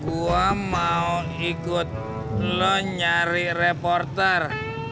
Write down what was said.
gue mau ikut lo nyari reporter